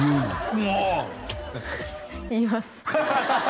「もう！」って言います